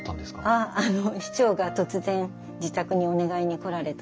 あの市長が突然自宅にお願いに来られたんで。